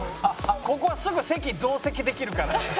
ここはすぐ席増席できるからね。